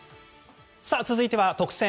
続いては特選！！